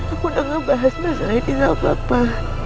aku udah ngebahas masalah ini sama papa